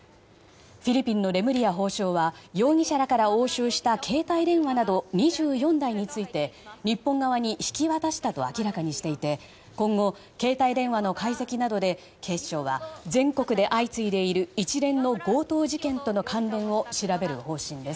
フィリピンのレムリヤ法相は容疑者らから押収した携帯電話など２４台について日本側に引き渡したと明らかにしていて今後、携帯電話の解析などで警視庁は全国で相次いでいる一連の強盗事件との関連を調べる方針です。